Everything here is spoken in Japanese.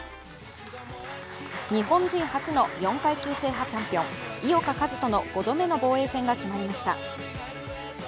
日本人初の４階級制覇チャンピオン井岡一翔の５度目の防衛戦が決まりました。